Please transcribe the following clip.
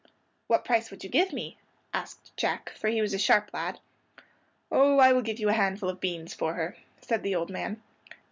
"What price would you give me?" asked Jack, for he was a sharp lad. "Oh, I will give you a handful of beans for her," said the old man.